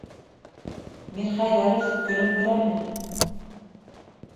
- Мирхәйҙәров көлөмһөрәне.